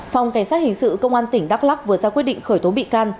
phòng cảnh sát hình sự công an tỉnh đắk lắc vừa ra quyết định khởi tố bị can